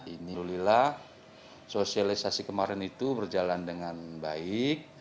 alhamdulillah sosialisasi kemarin itu berjalan dengan baik